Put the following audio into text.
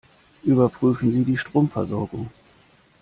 Überprüfen Sie die Stromversorgung.